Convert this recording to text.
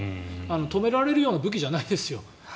止められるような武器じゃないですよ。